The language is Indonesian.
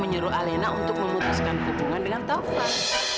menyuruh alena untuk memutuskan hubungan dengan taufan